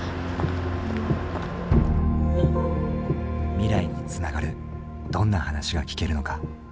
未来につながるどんな話が聞けるのか。